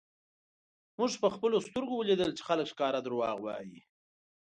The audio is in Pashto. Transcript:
مونږ په خپلو سترږو ولیدل چی خلک ښکاره درواغ وایی